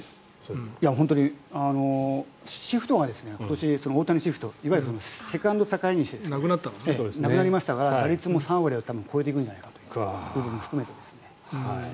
本当にシフトが今年、大谷シフトいわゆるセカンドを境にしてなくなりましたので打率も３割は多分、超えていくんじゃないかという部分も含めてですね。